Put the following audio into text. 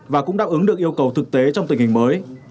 và cũng đáp ứng được yêu cầu thực tế trong tình hình mới